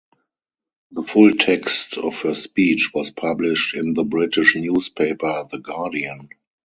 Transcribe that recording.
The full text of her speech was published in the British newspaper "The Guardian".